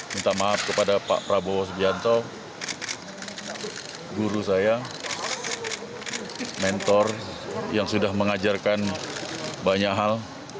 minta maaf kepada pak prabowo subianto guru saya mentor yang sudah mengajarkan banyak hal